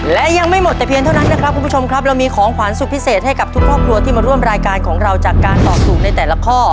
และยังไม่หมดแต่เพียงเท่านั้นนะครับคุณผู้ชมครับเรามีของขวานสุดพิเศษให้กับทุกครอบครัวที่มาร่วมรายการของเราจากการตอบถูกในแต่ละข้อ